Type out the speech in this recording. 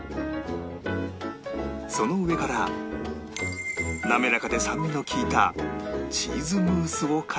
その上から滑らかで酸味の利いたチーズムースを重ねる